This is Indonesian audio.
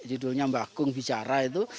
judulnya mbak kung bicara itu